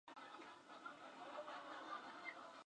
El campus principal está en Shibuya, en el distrito de Tokio.